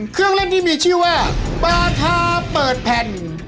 เครื่องเล่นที่มีชื่อว่าบาทาเปิดแผ่น